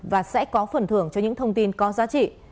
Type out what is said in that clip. và sẽ có phần thưởng cho những thông tin có giá trị